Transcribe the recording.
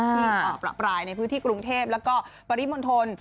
ที่ประปรายในพื้นที่กรุงเทพแล้วก็ปริมณฑล